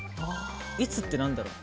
いつって何だろう。